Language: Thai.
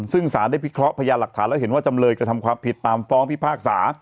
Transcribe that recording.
ซึ่งสารได้พิเคราะห์พยานหลักฐานแล้วเห็นว่าจำเลยกระทำความผิดตามฟ้องพิพากษา